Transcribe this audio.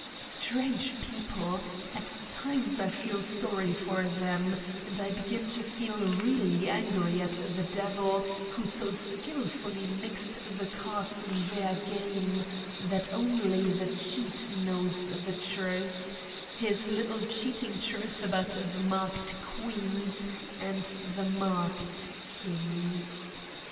Strange people, at times I feel sorry for them, and I begin to feel really angry at the devil who so skilfully mixed the cards in their game that only the cheat knows the truth, his little cheating truth about the marked queens and the marked kings.